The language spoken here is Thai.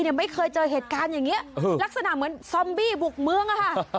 ไม่เคยเจอเหตุการณ์อย่างนี้ลักษณะเหมือนซอมบี้บุกเมืองอะค่ะ